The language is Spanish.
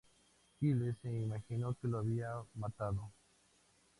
Kyle se imaginó que lo había matado.